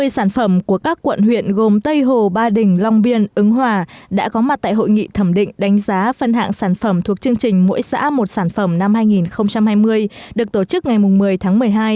ba mươi sản phẩm của các quận huyện gồm tây hồ ba đình long biên ứng hòa đã có mặt tại hội nghị thẩm định đánh giá phân hạng sản phẩm thuộc chương trình mỗi xã một sản phẩm năm hai nghìn hai mươi được tổ chức ngày một mươi tháng một mươi hai